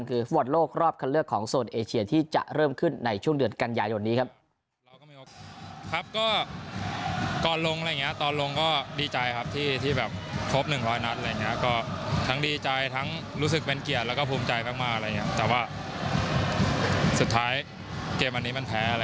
คือฟุตบอลโลกรอบคันเลือกของโซนเอเชียที่จะเริ่มขึ้นในช่วงเดือนกันยายนนี้ครับ